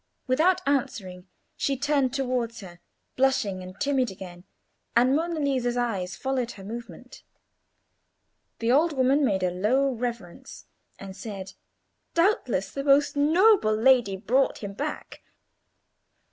Without answering, she turned towards her, blushing and timid again, and Monna Lisa's eyes followed her movement. The old woman made a low reverence, and said— "Doubtless the most noble lady brought him back."